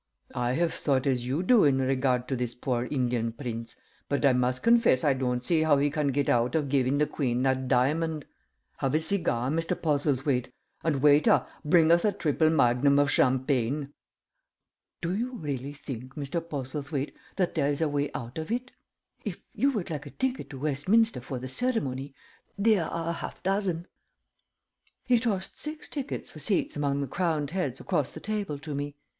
"I have thought as you do in regard to this poor Indian prince, but I must confess I don't see how he can get out of giving the Queen that diamond. Have a cigar, Mr. Postlethwaite, and, waiter, bring us a triple magnum of champagne. Do you really think, Mr. Postlethwaite, that there is a way out of it? If you would like a ticket to Westminster for the ceremony, there are a half dozen." He tossed six tickets for seats among the crowned heads across the table to me.